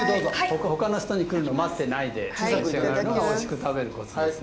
他の人に来るの待ってないで召し上がるのがおいしく食べるコツです。